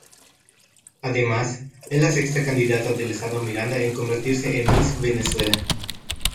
Además, es la sexta candidata del estado Miranda en convertirse en Miss Venezuela.